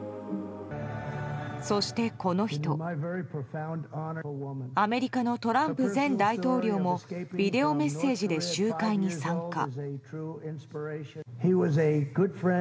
そして、この人アメリカのトランプ前大統領もビデオメッセージで集会に参加。